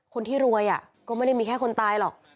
คนที่รวยก็ไม่ได้มีแค่คนตายหรอก